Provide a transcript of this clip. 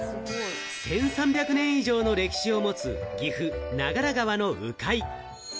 １３００年以上の歴史を持つ岐阜・長良川の鵜飼。